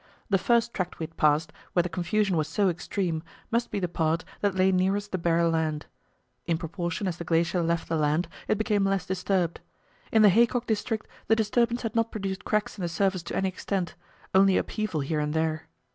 The first tract we had passed, where the confusion was so extreme, must be the part that lay nearest the bare land; in proportion as the glacier left the land, it became less disturbed: In the haycock district the disturbance had not produced cracks in the surface to any extent, only upheaval here and there.